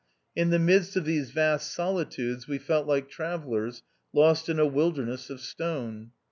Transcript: In the midst of these vast solitudes we felt like travellers lost in a wilderness of stone.